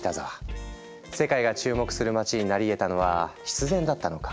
世界が注目する街になりえたのは必然だったのか？